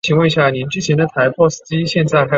影响血液循环